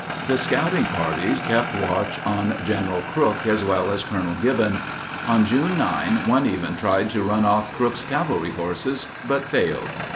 The scouting parties kept watch on General Crook as well as Colonel Gibbon. On June 9 one even tried to run off Crook's cavalry horses, but failed.